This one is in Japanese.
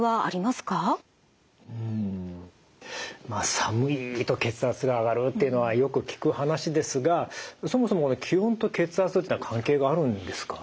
寒いと血圧が上がるというのはよく聞く話ですがそもそも気温と血圧というのは関係があるんですか？